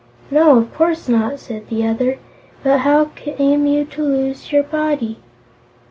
"No, of course not," said the other. "But how came you to lose your body?"